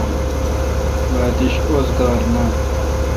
مہ اتش اوزگار نان۔